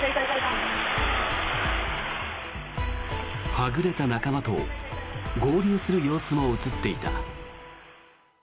はぐれた仲間と合流する様子も映っていた。